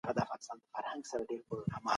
طبيعي علوم د ثبوتونو پر بنسټ ولاړ دي.